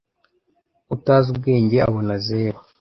utazi ubwenge abona zero